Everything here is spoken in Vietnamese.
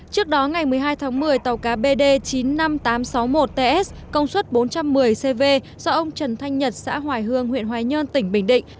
trước đó ngày một mươi hai tháng một mươi tàu cá bd chín mươi năm nghìn tám trăm sáu mươi một ts công suất bốn trăm một mươi cv do ông trần thanh nhật xã hoài hương huyện hoài nhơn tỉnh bình định